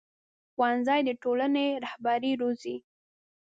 ښوونځی د ټولنې رهبري روزي